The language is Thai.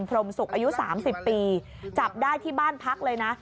พรมศุกร์อายุ๓๐ปีจับได้ที่บ้านพักเลยนะ